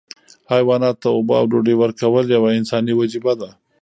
حیواناتو ته اوبه او ډوډۍ ورکول یوه انساني وجیبه ده.